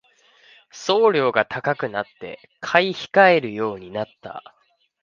送料が高くなって買い控えるようになった